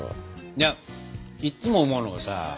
いやいっつも思うのがさ